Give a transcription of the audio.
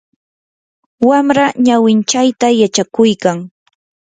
wamra ñawinchayta yachakuykan.